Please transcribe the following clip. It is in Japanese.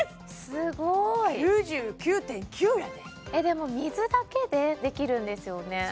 すごい９９．９やででも水だけでできるんですよね？